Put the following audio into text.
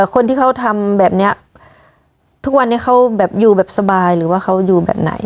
คนที่เขาทำแบบนี้ทุกวันนี้เขาแบบอยู่แบบสบายหรือว่าเขาอยู่แบบไหน